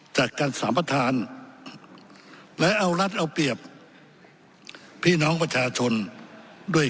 จัดการสามประธานและเอารัฐเอาเปรียบพี่น้องประชาชนด้วย